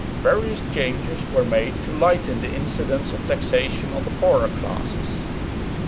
Various changes were made to lighten the incidence of taxation on the poorer classes.